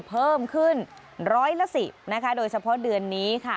เพิ่มขึ้นร้อยละ๑๐นะคะโดยเฉพาะเดือนนี้ค่ะ